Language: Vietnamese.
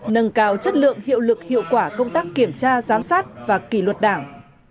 nâng cao chất lượng hiệu lực hiệu quả công tác kiểm tra giám sát và kỷ luật đảng